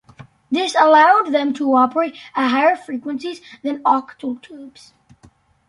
This allowed them to operate at higher frequencies than octal tubes.